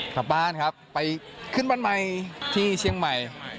กลับบ้านครับไปขึ้นบ้านใหม่ที่เชียงใหม่